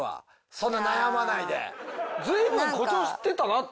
そんな悩まないで。